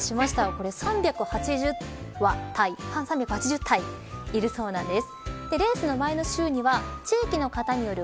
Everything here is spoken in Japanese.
これは３８０体いるそうなんです。